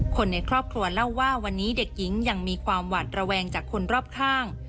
คนในครอบครัวเล่าว่าวันนี้เด็กหญิงยังมีความหวัดระแวงจากคนรอบข้าง